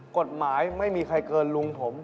กฎหมายไม่มีใครเกินลุงผม